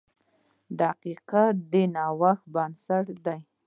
• دقیقه د نوښت بنسټ ده.